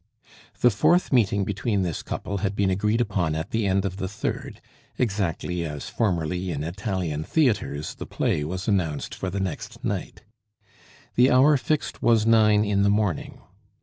The fourth meeting between this couple had been agreed upon at the end of the third, exactly as formerly in Italian theatres the play was announced for the next night. The hour fixed was nine in the morning.